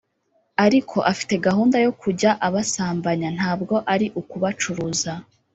Ariko afite gahunda yo kujya abasambanya, ntabwo ari ukubacuruza